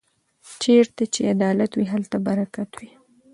چېرته چې عدالت وي هلته برکت وي.